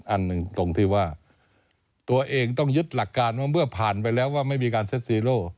อันหนึ่งตรงที่ว่าตัวเองต้องยึดหลักการว่าเมื่อผ่านไปแล้วว่าไม่มีการเซ็ตซีโร่